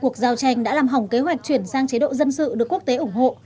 cuộc giao tranh đã làm hỏng kế hoạch chuyển sang chế độ dân sự được quốc tế ủng hộ